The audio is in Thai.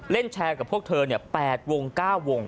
เล่นแชร์กับพวกเธอ๘วง๙วง